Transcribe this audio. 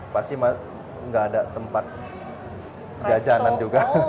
pasti nggak ada tempat jajanan juga